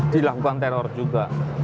dilakukan teror juga